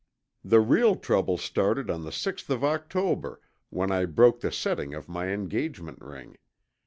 "The real trouble started on the sixth of October when I broke the setting of my engagement ring.